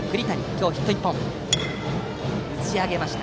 今日ヒット１本。